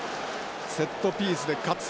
セットピースで勝つ。